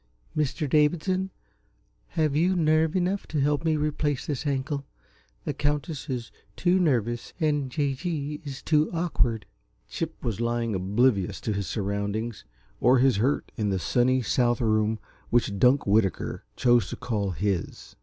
"Mr. Davidson, have you nerve enough to help me replace this ankle? The Countess is too nervous, and J. G. is too awkward." Chip was lying oblivious to his surroundings or his hurt in the sunny, south room which Dunk Whitaker chose to call his.